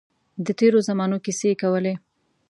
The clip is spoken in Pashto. د تېرو زمانو کیسې کولې.